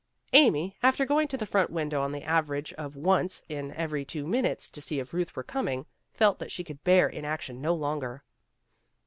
Amy, after going to the front window on the average of once in every two minutes to see if Ruth were coming, felt that she could bear inaction no longer.